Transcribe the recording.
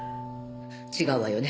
違うわよね？